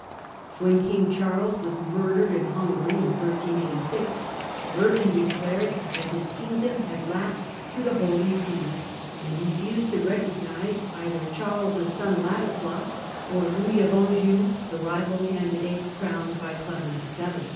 When King Charles was murdered in Hungary in 138(3, Urban declared that his Kingdom had lapsed to the Holy See, and refused to recognise either Charles's son Ladislas, or Louis of Anjou, the rival candidate crowned by Clement VII.